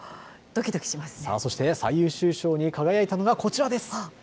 さあそして、最優秀賞に輝いたのがこちらです。